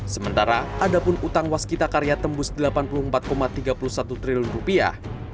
sementara ada pun utang waskita karya tembus delapan puluh empat tiga puluh satu triliun rupiah